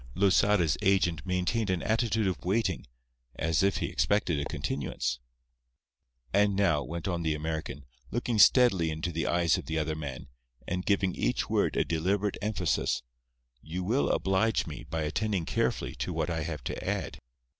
Losada's agent maintained an attitude of waiting, as if he expected a continuance. "And now," went on the American, looking steadily into the eyes of the other man, and giving each word a deliberate emphasis, "you will oblige me by attending carefully to what I have to add.